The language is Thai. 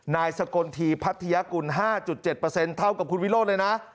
นายสกลทีพัทยากุล๕๗เท่ากับคุณวิโรธเลยนะ